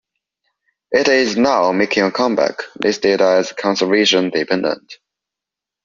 It is now making a comeback, listed as Conservation Dependent.